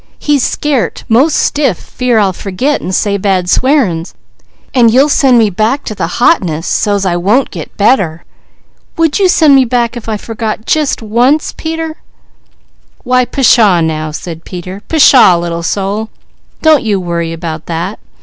He's scairt 'most stiff fear I'll forget an' say bad swearin's, an' you'll send me back to the hotness, so's I won't get better. Would you send me back if I forget just once, Peter?" "Why pshaw now!" said Peter. "Pshaw Little Soul, don't you worry about that.